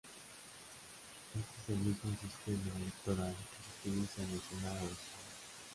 Este es el mismo sistema electoral que se utiliza en el Senado de España.